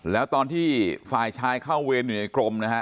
แล้วตอนที่ฝ่ายชายเข้าเวรอยู่ในกรมนะฮะ